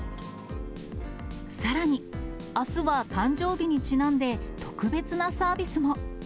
さらに、あすは誕生日にちなんで、特別なサービスも。